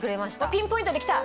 ピンポイントで来た？